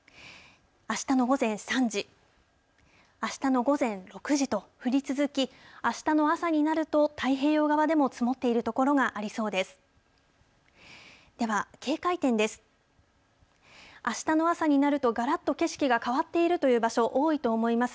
あしたの午前３時、あしたの午前６時と降り続き、あしたの朝になると、太平洋側でも積もっている所がありそうです。